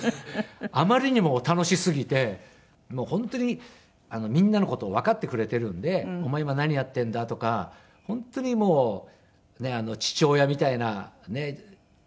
あまりにも楽しすぎて本当にみんなの事をわかってくれているんで「お前今何やってんだ？」とか本当にもう父親みたいな存在で。